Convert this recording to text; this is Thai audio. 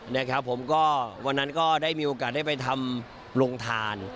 นะครับผมก็วันนั้นก็ได้มีโอกาสได้ไปทำโรงทาน